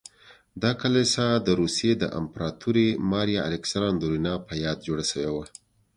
دا کلیسا د روسیې د امپراتورې ماریا الکساندرونا په یاد جوړه شوې وه.